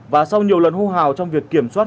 và sau nhiều lần hô hào trong việc kiểm soát